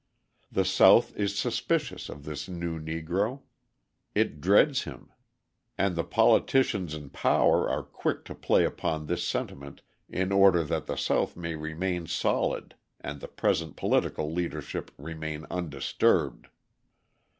The South is suspicious of this new Negro: it dreads him; and the politicians in power are quick to play upon this sentiment in order that the South may remain solid and the present political leadership remain undisturbed.